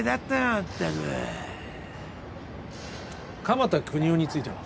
まったく鎌田國士については？